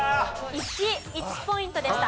１。１ポイントでした。